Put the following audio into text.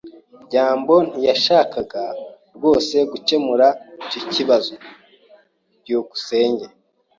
byambo ntiyashakaga rwose gukemura icyo kibazo. byukusenge